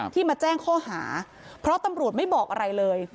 ที่มาแจ้งข้อหาเพราะตำรวจไม่บอกอะไรเลย